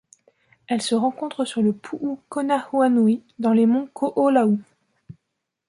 Elle se rencontre sur le Puʻu Konahuanui dans les monts Koʻolau.